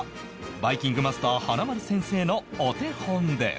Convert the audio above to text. バイキングマスター華丸先生のお手本です